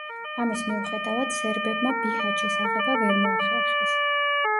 ამის მიუხედავად სერბებმა ბიჰაჩის აღება ვერ მოახერხეს.